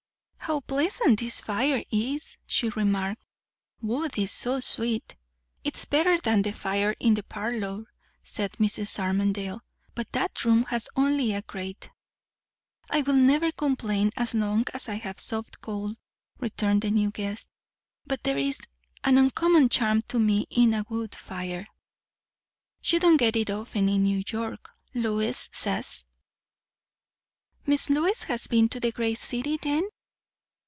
"How pleasant this fire is!" she remarked. "Wood is so sweet!" "It's better than the fire in the parlour," said Mrs. Armadale; "but that room has only a grate." "I will never complain, as long as I have soft coal," returned the new guest; "but there is an uncommon charm to me in a wood fire." "You don't get it often in New York, Lois says." "Miss Lois has been to the great city, then?"